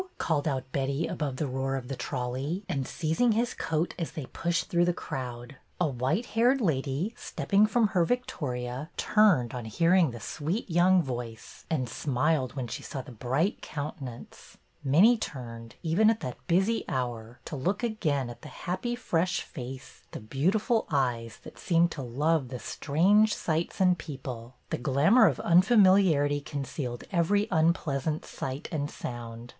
called out Betty above the roar of the trolley, and seizing his coat as they pushed through the crowd. A white haired lady, stepping from her vic toria, turned, on hearing the sweet young voice, and smiled when she saw the bright countenance. Many turned, even at that busy hour, to look again at the happy, fresh face, the beautiful eyes, that seemed to love the strange sights and people. The glamour of unfamiliarity concealed every MISS MINTURNE 277 unpleasant sight and sound.